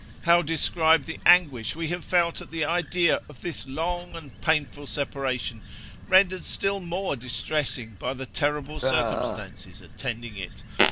how describe the anguish we have felt at the idea of this long and painful separation, rendered still more distressing by the terrible circumstances attending it!